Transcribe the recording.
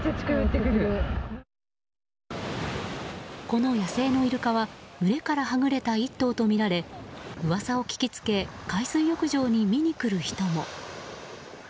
この野生のイルカは群れからはぐれた１頭とみられ噂を聞きつけ海水浴場に見に来る人も。